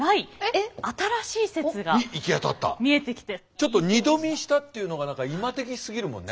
ちょっと二度見したっていうのが何か今的すぎるもんね。